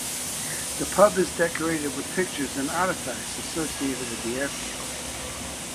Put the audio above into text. The pub is decorated with pictures and artifacts associated with the airfield.